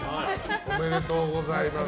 おめでとうございます。